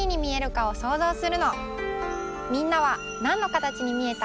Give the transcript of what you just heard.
みんなはなんのかたちにみえた？